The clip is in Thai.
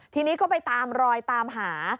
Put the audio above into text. ทีนี้ก็ไปตามรอยตามหา